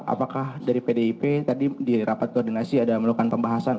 apakah dari pdip tadi di rapat koordinasi ada melakukan pembahasan